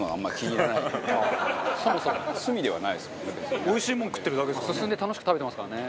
カズレーザー：おいしいもの食ってるだけですからね。